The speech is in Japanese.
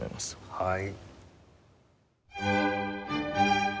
はい。